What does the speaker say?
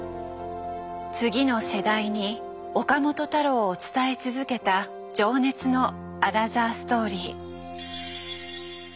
次の世代に岡本太郎を伝え続けた情熱のアナザーストーリー。